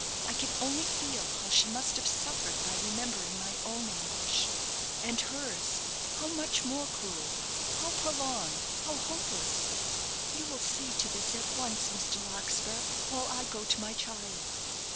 I can only feel how she must have suffered by remembering my own anguish. And hers, how much more cruel, how prolonged, how hopeless! You will see to this at once, Mr. Larkspur, while I go to my child."